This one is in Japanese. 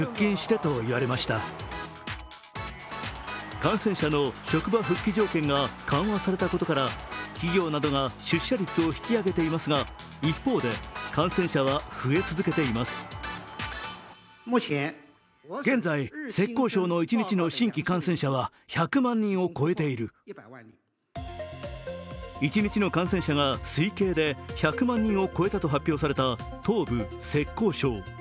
感染者の職場復帰条件が緩和されたことから企業などが出社率を引き上げていますが一方で、感染者は増え続けています一日の感染者が推計で１００万人を超えたと発表された東部・浙江省。